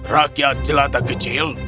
rakyat jelata kecil